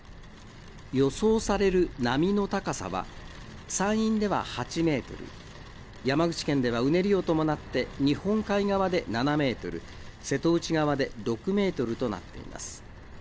予想される波の高さは、山陰では８メートル、山口県ではうねりを伴って、日本海側で７メートル、瀬戸内側で６メートルとなっています。